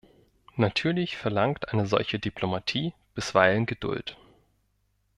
Natürlich verlangt eine solche Diplomatie bisweilen Geduld.